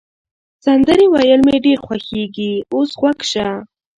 سندرې ویل مي ډېر خوښیږي، اوس غوږ شه.